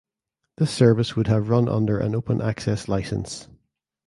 This service would have run under an open access licence.